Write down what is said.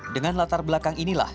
dengan latar belakang inilah